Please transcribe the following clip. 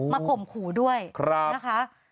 ข่มขู่ด้วยนะคะ